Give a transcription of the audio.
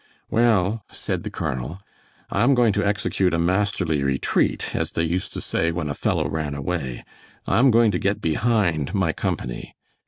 "Well," said the colonel, "I am going to execute a masterly retreat, as they used to say when a fellow ran away. I am going to get behind my company.